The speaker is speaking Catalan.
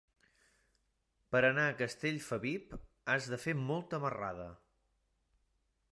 Per anar a Castellfabib has de fer molta marrada.